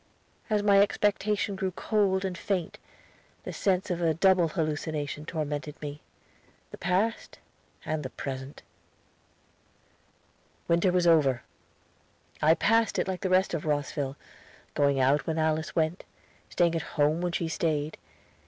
As my expectation grew cold and faint, the sense of a double hallucination tormented me the past and the present. The winter was over. I passed it like the rest of Rosville, going out when Alice went, staying at home when she stayed.